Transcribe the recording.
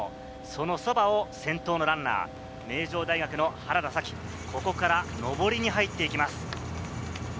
そのそばを先頭のランナー、名城大学の原田紗希、ここから上りに入っていきます。